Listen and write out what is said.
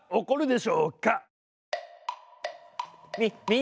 み